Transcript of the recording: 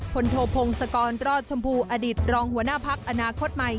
โทพงศกรรอดชมพูอดีตรองหัวหน้าพักอนาคตใหม่